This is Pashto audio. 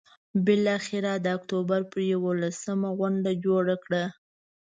بالآخره د اکتوبر پر یوولسمه غونډه جوړه کړه.